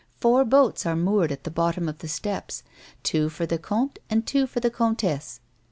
Four boats are moored at the bottom of the steps, two for the comte and two for the comtesse.